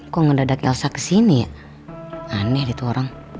kok ngedadak elsa kesini aneh dia tuh orang